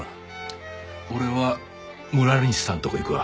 俺は村西さんとこ行くわ。